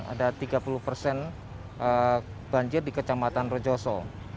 ada tiga puluh persen banjir di kecamatan rejoso